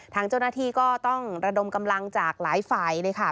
ทางเจ้าหน้าที่ก็ต้องระดมกำลังจากหลายฝ่ายเลยค่ะ